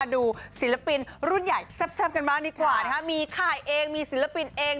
ดูศิลปินรุ่นใหญ่แซ่บกันบ้างดีกว่านะฮะมีค่ายเองมีศิลปินเอง